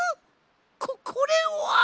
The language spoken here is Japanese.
ここれは！